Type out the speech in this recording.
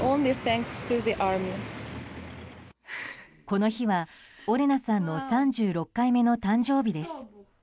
この日はオレナさんの３６回目の誕生日です。